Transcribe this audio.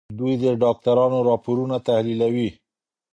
دوی د ډاکټرانو راپورونه تحليلوي.